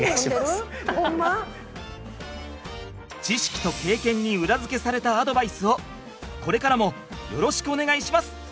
知識と経験に裏付けされたアドバイスをこれからもよろしくお願いします！